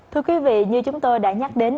thưa quý vị như chúng tôi đã nhắc đến